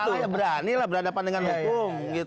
kalau tidak salah ya berani lah berhadapan dengan hukum